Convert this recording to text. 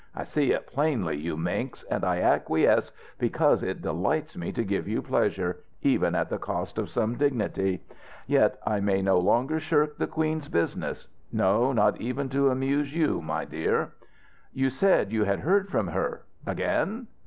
I see it plainly, you minx, and I acquiesce because, it delights me to give you pleasure, even at the cost of some dignity. Yet I may no longer shirk the Queen's business, no, not even to amuse you, my dear." "You said you had heard from her again?"